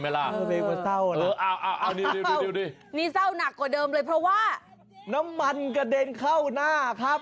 นี่เศร้าหนักกว่าเดิมเลยเพราะว่าน้ำมันกระเด็นเข้าหน้าครับ